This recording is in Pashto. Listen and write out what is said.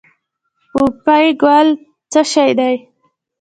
پوپی ګل څه شی دی؟